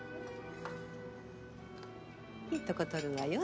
いいとこ取るわよ